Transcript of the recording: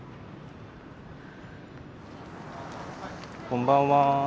こんばんは。